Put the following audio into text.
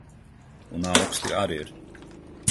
Un auksti ar ir.